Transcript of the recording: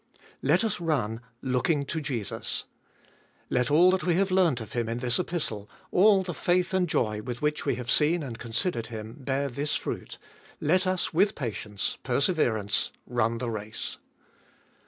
Let us run, looking to Jesus. Let all that we have learnt of Him in the Epistle, all the faith and joy with which we have seen and considered Him, bear this fruit: let us with patience, perseverance, run the race.